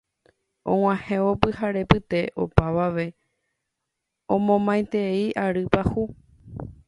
og̃uahẽvo pyharepyte opavave omomaitei ary pyahu